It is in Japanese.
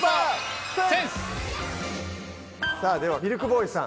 さあではミルクボーイさん。